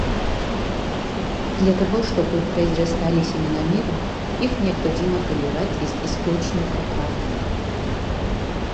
Для того чтобы произрастали семена мира, их необходимо поливать из источника правды.